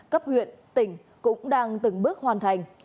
cấp huyện tỉnh cũng đang từng bước hoàn thành